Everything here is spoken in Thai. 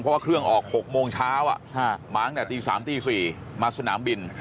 เพราะว่าเครื่องออก๖โมงเช้ามาตั้งแต่ตี๓ตี๔มาสนามบิน